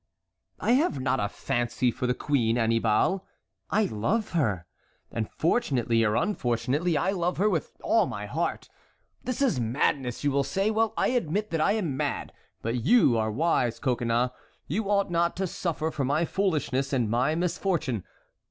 "I have not a fancy for the queen, Annibal, I love her; and fortunately or unfortunately I love her with all my heart. This is madness, you will say. Well, I admit that I am mad. But you are wise, Coconnas, you ought not to suffer for my foolishness and my misfortune.